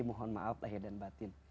mohon maaf lahir dan batin